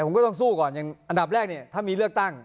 ผมก็ต้องสู้ก่อนอย่างอันดับแรกเนี่ยถ้ามีเลือกตั้ง